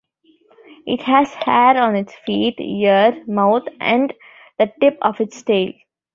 It has hair on its feet, ear, mouth and the tip of its tail.